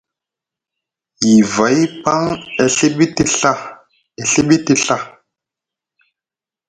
Yivay paŋ e Ɵiɓiti Ɵa e Ɵiɓiti Ɵa.